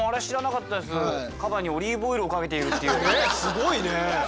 すごいね。